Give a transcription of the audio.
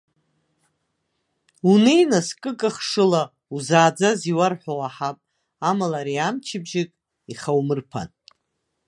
Унеи, нас, кыкахшыла узааӡаз иуарҳәо уаҳап, амала ари амчыбжьык иахумырԥан!